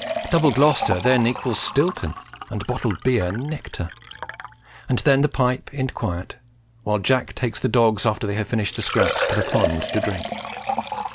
Double Gloucester then equals Stilton, and bottled beer nectar; and then the pipe in quiet, while Jack takes the dogs, after they have finished the scraps, to the pond to drink.